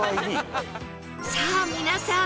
さあ皆さん